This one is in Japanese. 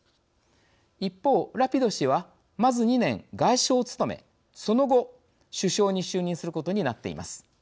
一方ラピド氏はまず２年外相を務めその後首相に就任することになっています。